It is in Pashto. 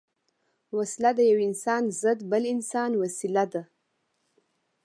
وسله د یو انسان ضد بل انسان وسيله ده